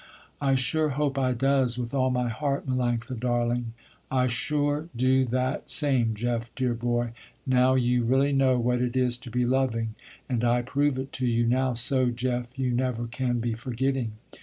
"I sure hope I does, with all my heart, Melanctha, darling." "I sure do that same, Jeff, dear boy, now you really know what it is to be loving, and I prove it to you now so, Jeff, you never can be forgetting.